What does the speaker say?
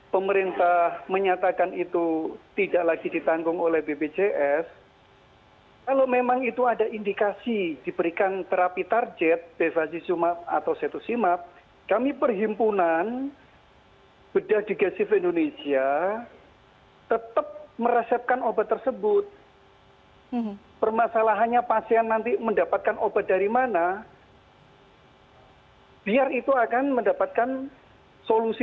pdib menduga kebijakan tersebut diambil terlebih dahulu sebelum mendengar masukan dari dokter ahli yang menangani kasus